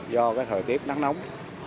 do thời tiết nắng nóng